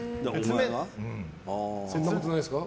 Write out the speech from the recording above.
そんなことないですか